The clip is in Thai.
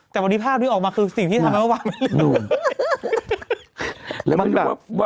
แต่วันนี้ภาพดูออกมาคือสิ่งที่ทำให้พระพักษณ์ไม่เรียก